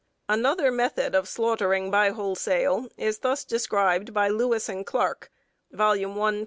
_ Another method of slaughtering by wholesale is thus described by Lewis and Clarke, I, 235.